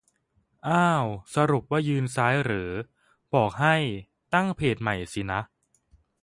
อ้าว สรุปว่ายืนซ้ายเหรอ บอกให้ ตั้งเพจใหม่สินะ